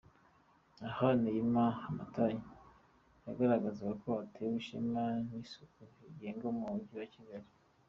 Aha, Naima Hamatali yagaragazaga ko atewe ishema n'isiku iranga umujyi wa Kigali.